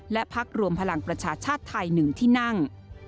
และพักรวมพลังประชาชาติไทย๑ที่นั่ง